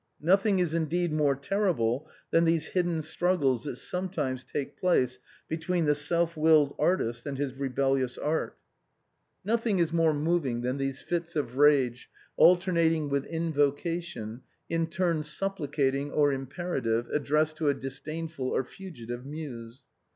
Nothing is indeed more terrible than these hidden struggles that sometimes take place between the self willed artist and his rebellious art. 306 THE BOHEMIANS OF THE LATIN QDAETEE. Nothing is more moving than these fits of rage alternat ing with invocation, in turn supplicating or imperative, ad dressed to a disdainful or fugitive muse.